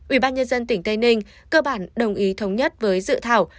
ubnd tỉnh tây ninh cơ bản đồng ý thống nhất với dự thảo